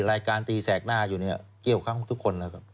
รายการตีแสกหน้าอยู่เนี่ยเกี่ยวข้องทุกคนนะครับ